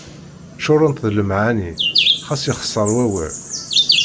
Ččurent d lemɛani xas yexseṛ wawal.